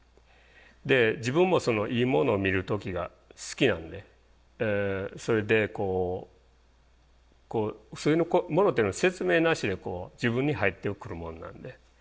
で自分もいいものを見る時が好きなんでそれでこうそういうものっていうのは説明なしで自分に入ってくるもんなんで。